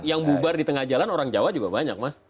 yang bubar di tengah jalan orang jawa juga banyak mas